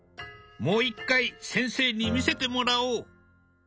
もう１回先生に見せてもらおう。